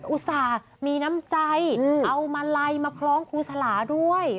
อุตส่าห์มีน้ำใจเอามาลัยมาคล้องครูสลาด้วย